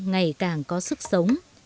ngày càng có sức sống